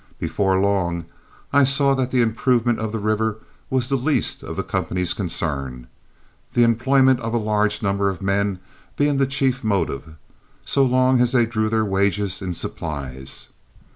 Before long I saw that the improvement of the river was the least of the company's concern, the employment of a large number of men being the chief motive, so long as they drew their wages in supplies.